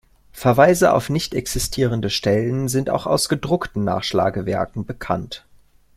Verweise auf nicht existierende Stellen sind auch aus gedruckten Nachschlagewerken bekannt.